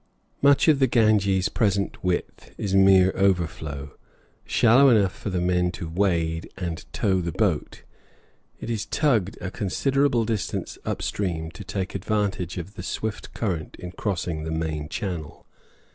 Much of the Ganges' present width is mere overflow, shallow enough for the men to wade and tow the boat. It is tugged a considerable distance up stream, to take advantage of the swift current in crossing the main channel.